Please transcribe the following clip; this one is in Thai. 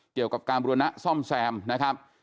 เกี่ยวกับการบุรณะซ่อมแซมนะครับ